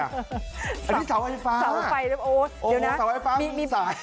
อันนี้เสาไฟฟ้า